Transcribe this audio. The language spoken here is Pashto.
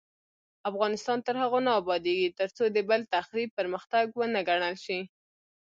افغانستان تر هغو نه ابادیږي، ترڅو د بل تخریب پرمختګ ونه ګڼل شي.